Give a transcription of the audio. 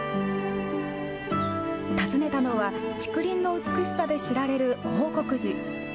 訪ねたのは竹林の美しさで知られる報国寺。